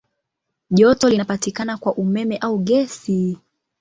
Joto linapatikana kwa umeme au gesi.